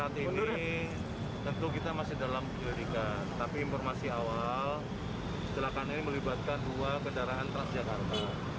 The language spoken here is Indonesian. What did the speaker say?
terima kasih tentu kita masih dalam penyelidikan tapi informasi awal kecelakaan ini melibatkan dua kendaraan transjakarta